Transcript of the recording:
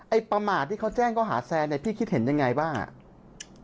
ไอ้ประมาทที่เขาแจ้งเขาหาแซนพี่คิดเห็นยังไงบ้าง